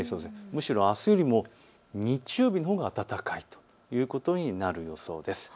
むしろあすよりも日曜日のほうが暖かいということになる予想です。